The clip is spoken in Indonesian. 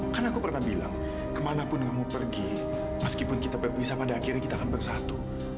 kan aku pernah bilang kemanapun kamu pergi meskipun kita berpisah pada akhirnya kita akan bersatu